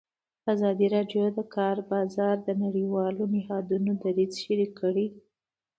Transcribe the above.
ازادي راډیو د د کار بازار د نړیوالو نهادونو دریځ شریک کړی.